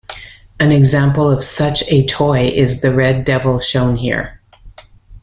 An example of such a toy is the red "devil" shown here.